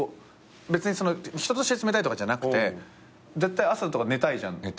別に人として冷たいとかじゃなくて絶対朝とか寝たいじゃん。